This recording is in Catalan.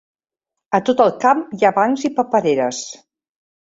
A tot el camp hi ha bancs i papereres.